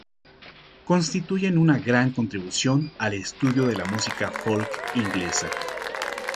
Constituyen una gran contribución al estudio de la música folk inglesa.